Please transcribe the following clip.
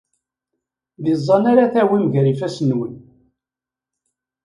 D iẓẓan ara tawim gar yifassen-nwen.